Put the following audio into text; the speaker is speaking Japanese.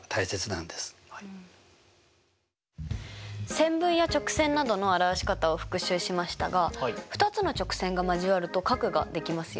線分や直線などの表し方を復習しましたが２つの直線が交わると角ができますよね？